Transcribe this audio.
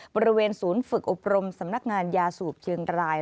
บริเวณศูนย์ฝึกอบรมสำนักงานยาสูบเชียงราย